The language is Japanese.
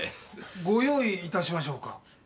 ご用意いたしましょうか？